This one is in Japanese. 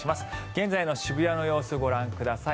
現在の渋谷の様子ご覧ください。